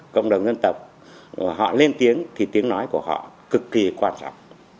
cộng đồng dân tộc họ lên tiếng thì tiếng nói của họ cực kỳ quan trọng